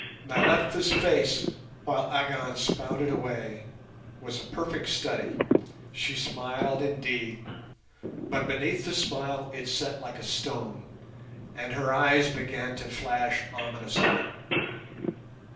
Nyleptha's face, while Agon spouted away, was a perfect study; she smiled indeed, but beneath the smile it set like a stone, and her eyes began to flash ominously.